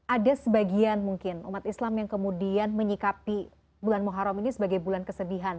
ada sebagian mungkin umat islam yang kemudian menyikapi bulan muharram ini sebagai bulan kesedihan